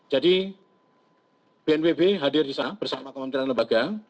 jadi bnpb hadir di sana bersama kementerian lembaga